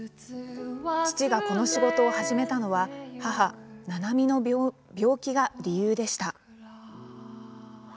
父がこの仕事を始めたのは母、七海の病気が理由でした。